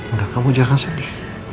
udah kamu jangan sedih